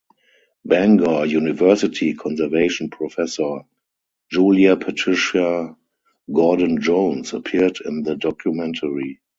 Bangor University conservation professor Julia Patricia Gordon Jones appeared in the documentary.